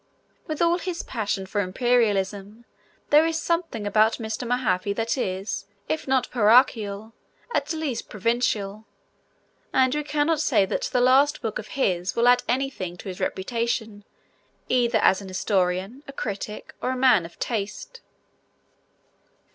With all his passion for imperialism, there is something about Mr. Mahaffy that is, if not parochial, at least provincial, and we cannot say that this last book of his will add anything to his reputation either as an historian, a critic, or a man of taste.